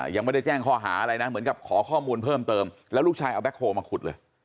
ยังไม่ได้แจ้งข้อหาอะไรนะเหมือนกับขอข้อมูลเพิ่มเติมแล้วลูกชายเอาแบ็คโฮลมาขุดเลย